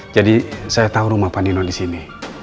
jadi saya tahu rumah pak nino di sini